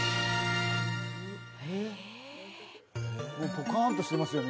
ポカーンとしてますよ